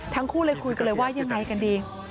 ทั้งคู่เลยคุยกันเลยว่ายังไงกันดี